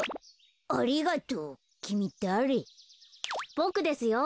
ボクですよ。